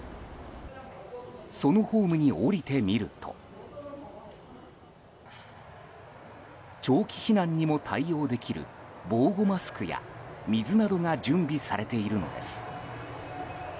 そのホームに降りてみると長期避難にも対応できる防護マスクや水などが準備されているのです。